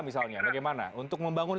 misalnya bagaimana untuk membangun